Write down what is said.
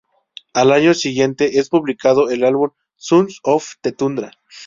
Al año siguiente es publicado el álbum "Suns of the Tundra".